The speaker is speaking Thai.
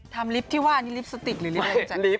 ทำลิฟต์ที่ว่าอันนี้ลิฟต์สติกหรืออะไร